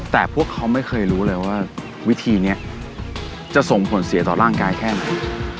แต่พวกเขาไม่เคยรู้เลยว่าวิธีนี้จะส่งผลเสียต่อร่างกายแค่ไหน